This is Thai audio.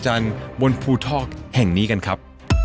ขึ้นไปดูความอัศจรรย์บนภูทอกแห่งนี้กันครับ